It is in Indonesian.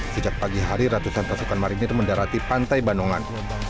sejak pagi hari ratusan pasukan marinir mendarati pantai banongan